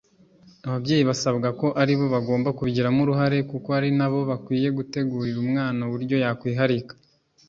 Ababyeyi basabwa ko ari bo bagomba kubigiramo uruhare kuko ari na bo bakwiye gutegurira umwana uburyo yakwiharika